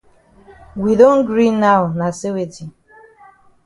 We don gree now na say weti?